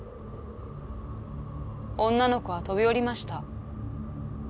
女の子は飛び降りました。